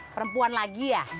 perempuan lagi ya